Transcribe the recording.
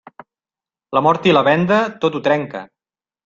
La mort i la venda, tot ho trenca.